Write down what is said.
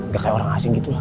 gak kayak orang asing gitu lah